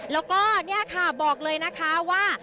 แล้วก็เนี่ยค่ะบอกเลยนะคะว่า